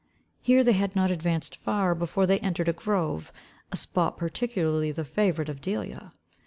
Here they had not advanced far, before they entered a grove, a spot particularly the favourite of Delia.